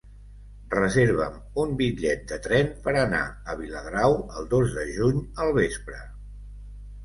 Reserva'm un bitllet de tren per anar a Viladrau el dos de juny al vespre.